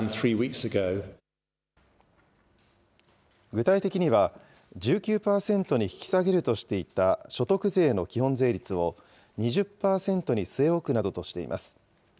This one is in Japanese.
具体的には、１９％に引き下げるとしていた所得税の基本税率を２０％に据え置くなどとしています。